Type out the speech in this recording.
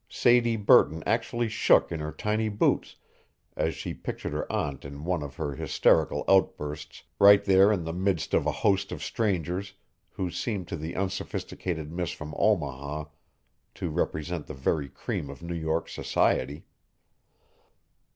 Sadie Burton actually shook in her tiny boots as she pictured her aunt in one of her hysterical outbursts right there in the midst of a host of strangers who seemed to the unsophisticated miss from Omaha to represent the very cream of New York society.